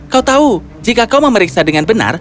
kau tahu jika kau memeriksa dengan benar